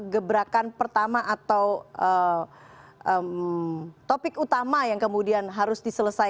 gebrakan pertama atau topik utama yang kemudian harus diselesaikan